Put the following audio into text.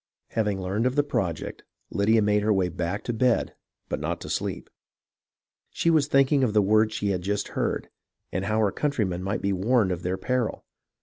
Having learned of the project, Lydia made her way back to bed, but not to sleep. She was thinking of the words she had just heard, and how her countrymen might be warned of their peril.